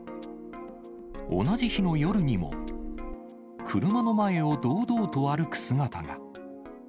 同じ日の夜にも、車の前を堂々と歩く姿が。